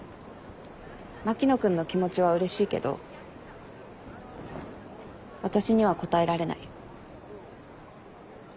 牧野君の気持ちはうれしいけど私には応えられない。